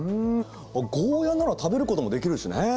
あっゴーヤなら食べることもできるしね。